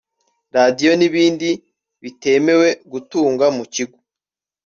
radiyo n’ibindi bitemewe gutunga mu kigo